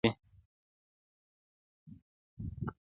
د ښوونځي زده کوونکي نیالګي کینوي؟